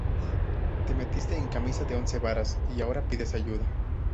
Te metiste en camisa de once varas y ahora pides ayuda